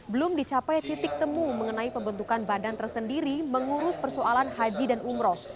belum dicapai titik temu mengenai pembentukan badan tersendiri mengurus persoalan haji dan umroh